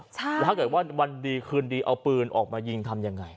แล้วถ้าเกิดว่าวันดีคืนดีเอาปืนออกมายิงทำยังไง